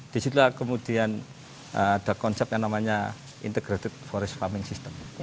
disitulah kemudian ada konsep yang namanya integrated forest farming system